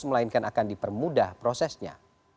melainkan akan dipermudah prosesnya